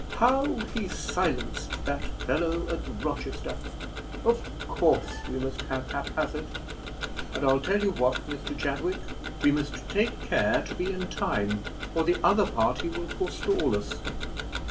"How he silenced that fellow at Rochester. Of course we must have Haphazard; and I'll tell you what, Mr Chadwick, we must take care to be in time, or the other party will forestall us."